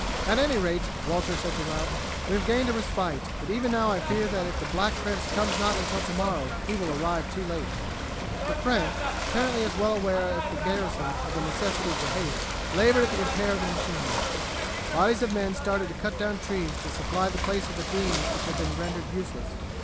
"At any rate," Walter said to Ralph, "we have gained a respite; but even now I fear that if the Black Prince comes not until tomorrow he will arrive too late." The French, apparently as well aware as the garrison of the necessity for haste, laboured at the repair of the machine. Bodies of men started to cut down trees to supply the place of the beams which had been rendered useless.